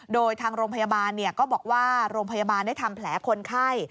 โดยทางโรงพยาบาลก็บอกว่าโรงพยาบาลได้ทำแผลคนไข้